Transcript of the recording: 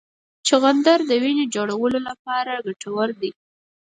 چغندر د وینې جوړولو لپاره ګټور دی.